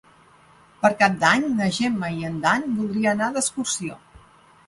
Per Cap d'Any na Gemma i en Dan voldria anar d'excursió.